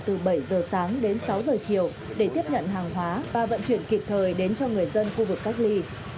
từ bảy giờ sáng đến sáu giờ chiều để tiếp nhận hàng hóa và vận chuyển kịp thời đến cho người dân khu vực cách ly